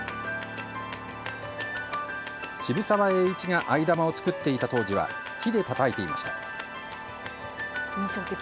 渋沢栄一が藍玉を作っていた当時は木でたたいていました。